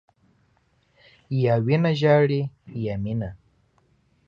یا وینه ژاړي، یا مینه.